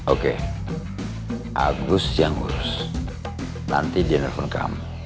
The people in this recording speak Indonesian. oke agus yang urus nanti dia nelfon kamu